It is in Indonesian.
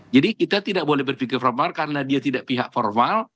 jadi kita tidak boleh berpikir formal karena dia tidak pihak formal